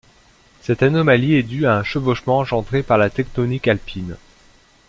Cette anomalie est due à un chevauchement engendré par la tectonique alpine.